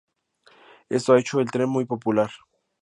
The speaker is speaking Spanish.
Esto ha hecho al tren muy popular.